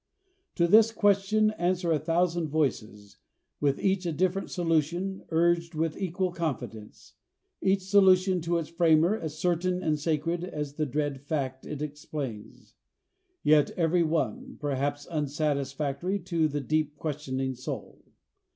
To this question answer a thousand voices, with each a different solution, urged with equal confidence each solution to its framer as certain and sacred as the dread fact it explains yet every one, perhaps, unsatisfactory to the deep questioning soul.